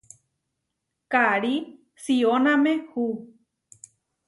Karí siʼónamehu.